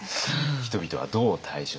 人々はどう対処したのか。